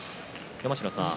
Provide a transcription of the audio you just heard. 山科さん